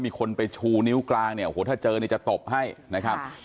มีคนไปชูนิ้วกลางเนี่ยโอ้โหถ้าเจอเนี่ยจะตบให้นะครับ